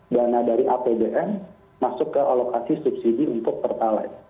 dana dari apbn masuk ke alokasi subsidi untuk pertalite